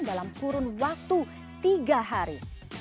dalam kurun waktu tiga hari